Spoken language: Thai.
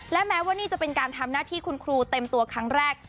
และแม้ว่านี่จะเป็นการทำหน้าที่คุณครูเต็มตัวครั้งแรก